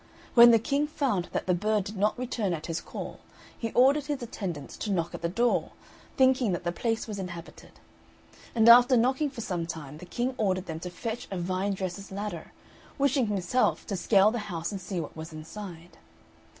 When the King found that the bird did not return at his call, he ordered his attendants to knock at the door, thinking that the palace was inhabited; and after knocking for some time, the King ordered them to fetch a vine dresser's ladder, wishing himself to scale the house and see what was inside.